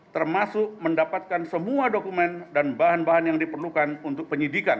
termasuk mendapatkan semua dokumen dan bahan bahan yang diperlukan untuk penyidikan